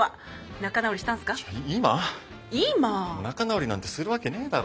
仲直りなんてするわけねえだろ。